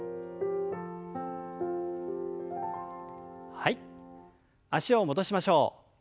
はい脚を戻しましょう。